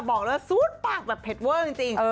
บอกเลยว่าซูดปากแบบเผ็ดเวอร์จริง